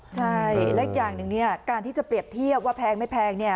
ใช่และอีกอย่างหนึ่งการที่จะเปรียบเทียบว่าแพงไม่แพง